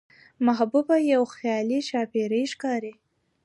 محبوبه يوه خيالي ښاپېرۍ ښکاري،